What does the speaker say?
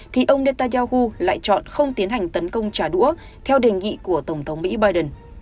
thì ông netanyahu lại chọn không tiến hành tấn công trả đũa theo đề nghị của tổng thống mỹ biden